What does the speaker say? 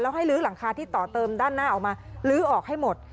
ให้ลื้อหลังคาที่ต่อเติมด้านหน้าออกมาลื้อออกให้หมด